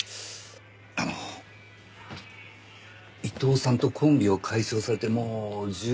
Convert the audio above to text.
あの伊藤さんとコンビを解消されてもう１７年になるそうですね。